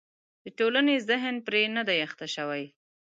د ټولنې ذهن پرې نه دی اخته شوی.